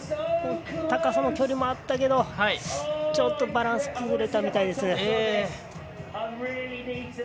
高さも距離もあったけどちょっとバランス崩れたみたいです。